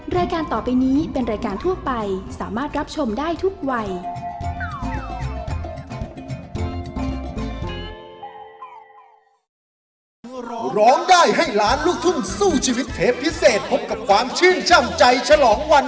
รายการต่อไปนี้เป็นรายการทั่วไปสามารถรับชมได้ทุกวัย